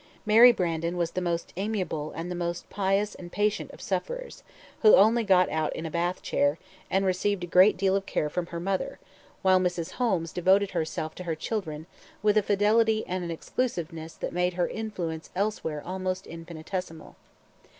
Mary Brandon was the most amiable and the most pious and patient of sufferers, who only got out in a Bath chair, and received a great deal of care from her mother, while Mrs. Holmes devoted herself to her children with a fidelity and an exclusiveness that made her influence elsewhere almost infinitesimal.